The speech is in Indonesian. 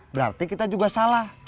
berarti kita juga salah